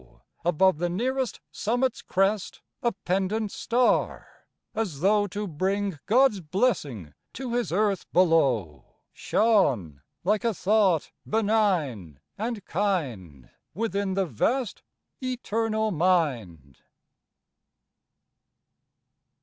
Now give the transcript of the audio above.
Above the nearest summit's crest, A pendent star, as though to bring God's blessing to His Earth below, Shone like a thought benign, and kind, Within the vast Eternal Mind.